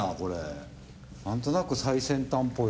なんとなく最先端っぽい。